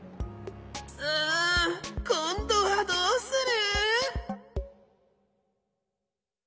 うんこんどはどうする？